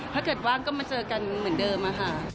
ถ้าเกิดว่างก็มาเจอกันเหมือนเดิมค่ะ